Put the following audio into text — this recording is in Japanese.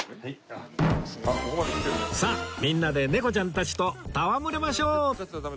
さあみんなで猫ちゃんたちと戯れましょう！